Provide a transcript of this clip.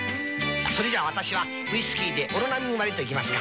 それじゃあ私はウイスキーでオロナミン割りといきますか